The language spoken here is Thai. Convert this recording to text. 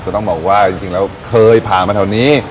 ต้องบอกว่าจริงแล้วเคยผ่านมาแถวนี้